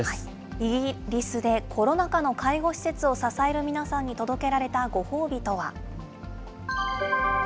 イギリスでコロナ禍の介護施設を支える皆さんに届けられたご褒美とは。